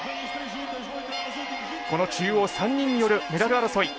この中央３人によるメダル争い。